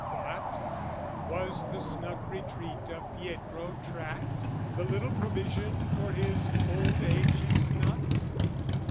What, was the snug retreat of Pietro tracked, The little provision for his old age snuffed?